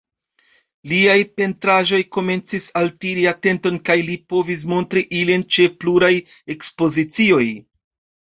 Liaj pentraĵoj komencis altiri atenton, kaj li povis montri ilin ĉe pluraj ekspozicioj.